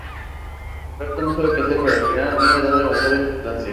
Alberto no sabe que hacer pero al final no le da demasiada importancia.